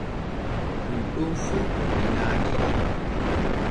Ɗun ɗon fu binaaki am.